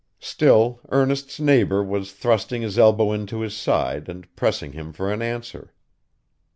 Still, Ernest's neighbor was thrusting his elbow into his side, and pressing him for an answer.